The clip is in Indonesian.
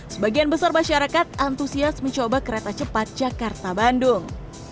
sebagian besar masyarakat antusias mencoba kereta cepat jakarta bandung